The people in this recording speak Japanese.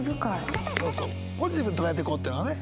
ポジティブに捉えていこうっていうのはね。